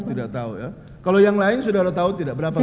tidak tahu ya kalau yang lain saudara tahu tidak berapa